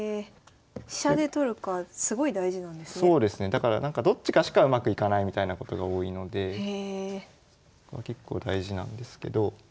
だからどっちかしかうまくいかないみたいなことが多いので結構大事なんですけど。